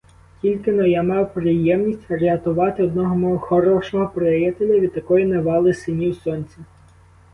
Тільки-но я мав приємність рятувати одного мого хорошого приятеля від такої навали синів сонця.